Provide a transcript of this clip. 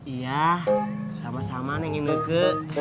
iya sama sama nih ineke